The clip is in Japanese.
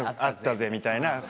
「あったぜ」みたいな。